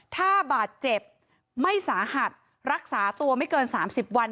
ถ้าบาดเจ็บไม่สาหัสรักษาตัวไม่เกิน๓๐วัน